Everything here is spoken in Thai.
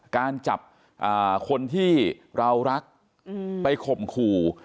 การจับคนที่เรารักไปข่มขู่